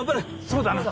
そうだな。